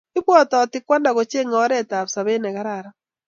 Ibwotitoi kwanda, kochengei oretap sobet ne kararan